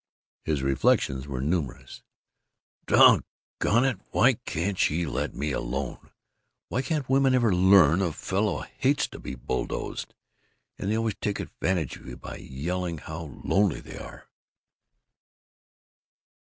His reflections were numerous: "Doggone it, why can't she let me alone? Why can't women ever learn a fellow hates to be bulldozed? And they always take advantage of you by yelling how lonely they are.